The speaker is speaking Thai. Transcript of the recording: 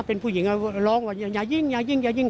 เป็นผู้หญิงร้องว่าอย่ายิงอย่ายิง